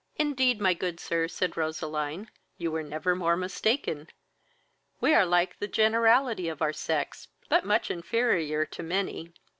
"Indeed, my good sir, (said Roseline,) you were never more mistaken. We are like the generality of our sex, but much inferior to many.